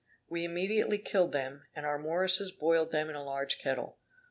We immediately killed them, and our Mooresses boiled them in a large kettle.